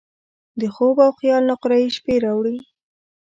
د خوب او خیال نقرهيي شپې راوړي